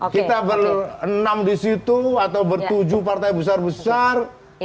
kita berenam di situ atau bertujuh partai besar besar